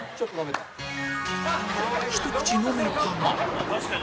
ひと口飲めたが